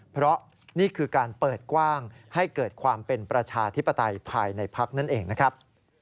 เพราะนี่คือการเปิดกว้างให้เกิดความเป็นประชาธิปไตยภายในพักนั่นเองนะครับ